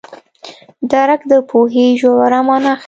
درک د پوهې ژوره مانا ښيي.